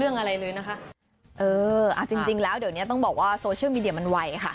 เออจริงแล้วเดี๋ยวต้องบอกว่าโซเชียลมีเดียมมันไวค่ะ